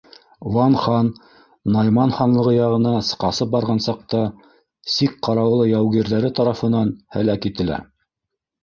Ван хан, Найман ханлығы яғына ҡасып барған саҡта, сик ҡарауылы яугирҙары тарафынан һәләк ителә.